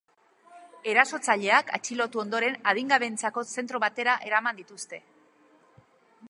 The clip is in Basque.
Erasotzaileak atxilotu ondoren adingabeentzako zentro batera eraman dituzte.